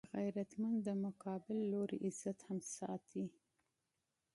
غیرتمند د مقابل لوري عزت هم ساتي